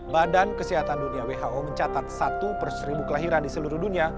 badan kesehatan dunia who mencatat satu perseribu kelahiran di seluruh dunia